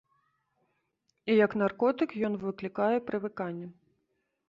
І як наркотык ён выклікае прывыканне.